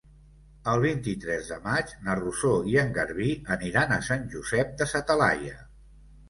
El vint-i-tres de maig na Rosó i en Garbí aniran a Sant Josep de sa Talaia.